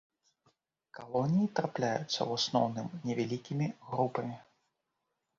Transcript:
Калоніі трапляюцца ў асноўным невялікімі групамі.